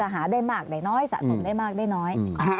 หาได้มากได้น้อยสะสมได้มากได้น้อย